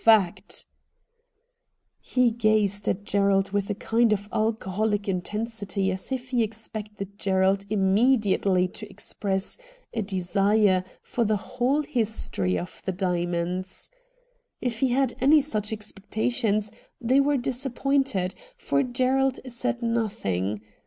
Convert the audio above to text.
Fact !' He gazed at Gerald with a kind of alcoholic intensity as if he expected Gerald immediately to express a desire for the whole history of the diamonds. If he had any such expecta tions they were disappointed, for Gerald said nothing.